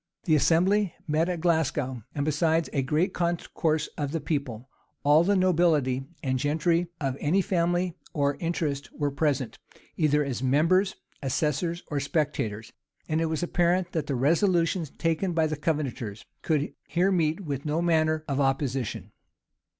[] The assembly met at Glasgow; and, besides a great concourse of the people, all the nobility and gentry of any family or interest were present, either as members, assessors, or spectators; and it was apparent that the resolutions taken by the Covenanters could here meet with no manner of opposition.